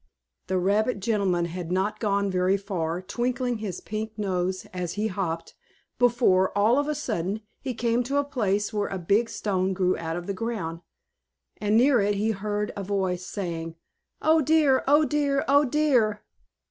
The rabbit gentleman had not gone very far, twinkling his pink nose as he hopped, before, all of a sudden, he came to a place where a big stone grew out of the ground, and near it he heard a voice, saying: "Oh, dear! Oh, dear! Oh, dear!"